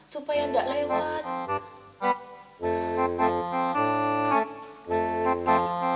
supaya gak lewat